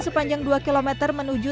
sepanjang dua km menuju